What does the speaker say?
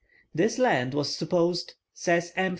"This land was supposed," says M.